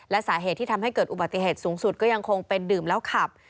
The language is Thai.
และสาเหตุที่ทำให้เกิดอุบัติเหตุสูงสุดก็ยังคงเป็นดื่มแล้วขับ